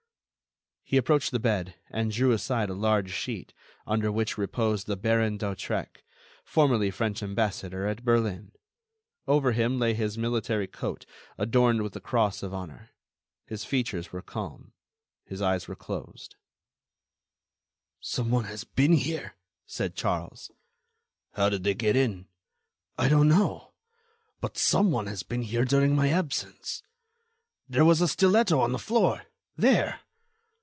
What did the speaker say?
He approached the bed, and drew aside a large sheet, under which reposed the Baron d'Hautrec, formerly French Ambassador at Berlin. Over him, lay his military coat, adorned with the Cross of Honor. His features were calm. His eyes were closed. "Some one has been here," said Charles. "How did they get in?" "I don't know, but some one has been here during my absence. There was a stiletto on the floor—there!